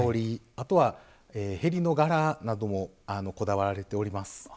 あとは「縁の柄」などもこだわられております。